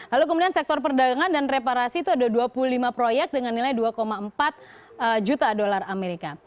lalu kemudian sektor perdagangan dan reparasi itu ada dua puluh lima proyek dengan nilai dua empat juta dolar amerika